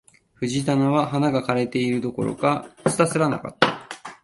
藤棚は花が枯れているどころか、蔓すらなかった